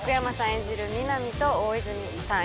演じる皆実と大泉さん